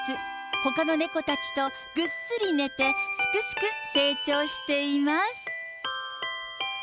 ほかの猫たちとぐっすり寝て、すくすく成長しています。